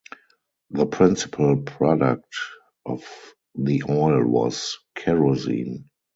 The principal product of the oil was kerosene.